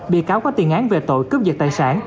bị cáo có tiền án về tội cướp giật tài sản